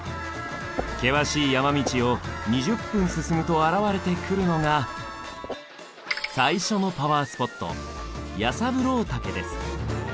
険しい山道を２０分進むと現れてくるのが最初のパワースポット